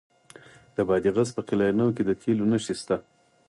د بادغیس په قلعه نو کې د تیلو نښې شته.